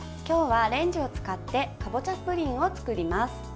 今日はレンジを使ってかぼちゃプリンを作ります。